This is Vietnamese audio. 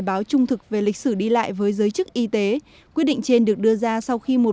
báo trung thực về lịch sử đi lại với giới chức y tế quyết định trên được đưa ra sau khi một